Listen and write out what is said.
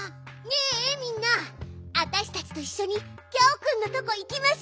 ねえみんなわたしたちといっしょにギャオくんのとこいきましょうよ。